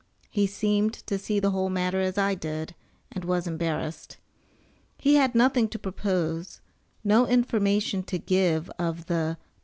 He seemed to see the whole matter as I did, and was embarrassed. He had nothing to propose, no information to give of the "P.